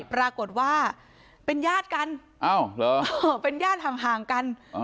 ปรากฏว่าเป็นญาติกันเป็นญาติห่างกัน